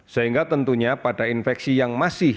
sehingga tentunya pada infeksi yang masih